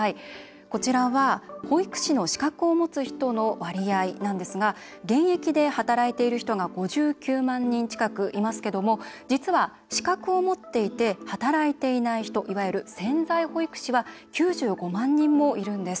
これは保育士の資格を持つ人の割合なんですが現役で働いている人が５９万人近くいますけども実は資格を持っていて働いていない人いわゆる潜在保育士は９５万人もいるんです。